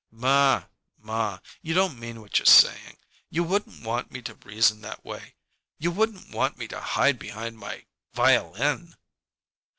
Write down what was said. "Ma, ma you don't mean what you're saying. You wouldn't want me to reason that way! You wouldn't want me to hide behind my violin."